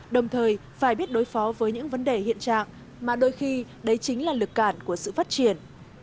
đồng thời phải biết đối phó với những vấn đề hiện trạng mà đôi khi đấy chính là lực cản của sự phát triển